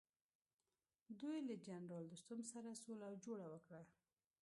دوی له جنرال دوستم سره سوله او جوړه وکړه.